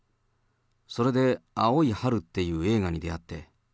それで、青い春っていう映画に出会って。